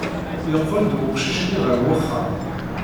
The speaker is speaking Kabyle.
Yeqqel-d weqcic-nni ɣer wexxam.